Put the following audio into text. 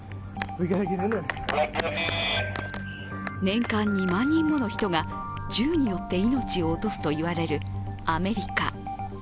年間２万人もの人が銃によって命を落とすと言われるアメリカ。